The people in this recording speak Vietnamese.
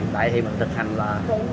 tại thì mình thực hành là